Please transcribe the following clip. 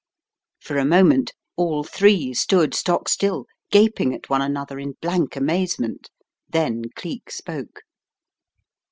For a moment all three stood stock still gaping at one another in blank amaze ment, then Cleek spoke.